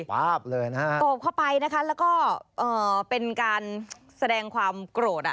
โต๊ะเข้าไปแล้วก็เป็นการแสดงความโกรธ